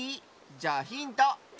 じゃあヒント！